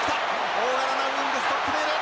大柄なウイングストックデール！